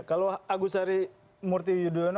kalau agus sari murti yudhoyono